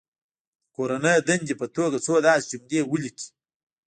د کورنۍ دندې په توګه څو داسې جملې ولیکي.